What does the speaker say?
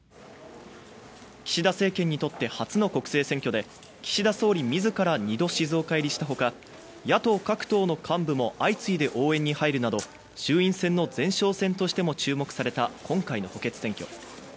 岸田政権にとって初の国政選挙で、岸田総理自ら２度静岡入りしたほか、野党各党の幹部も相次いで応援に入るなど衆院選の前哨戦としても注目された今回の補欠選挙。